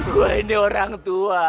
gua ini orang tua